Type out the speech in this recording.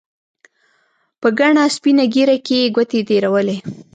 په گڼه سپينه ږيره کښې يې گوتې تېرولې.